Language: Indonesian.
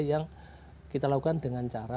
yang kita lakukan dengan cara